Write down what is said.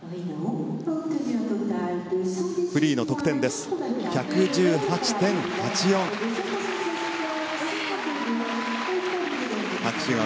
フリーの得点は１１８．８４。